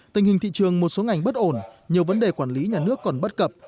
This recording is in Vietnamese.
tình hình thị trường một số ngành bất ổn nhiều vấn đề quản lý nhà nước còn bất cập